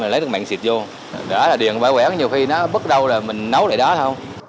rồi lấy được mạng xịt vô đó là điện bảo vệ nhiều khi nó bất đâu là mình nấu lại đó thôi